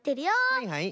はいはい。